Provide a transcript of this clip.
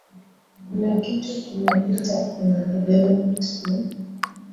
kuna kitu tunaita kwenye development ni